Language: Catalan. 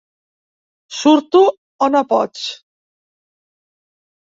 Surto o no pots.